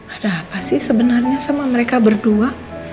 ada apa sih sebenarnya sama mereka berdua